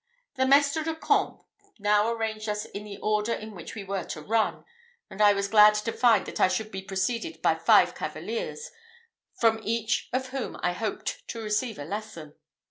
The mestre de camp now arranged us in the order in which we were to run, and I was glad to find that I should be preceded by five cavaliers, from each of whom I hoped to receive a lesson.